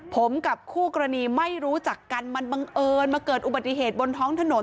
ผมกับคู่กรณีไม่รู้จักกันมันบังเอิญมาเกิดอุบัติเหตุบนท้องถนน